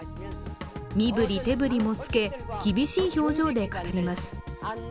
身振り手振りもつけ、厳しい表情で語ります。